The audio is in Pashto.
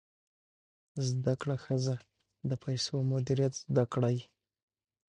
زده کړه ښځه د پیسو مدیریت زده کړی.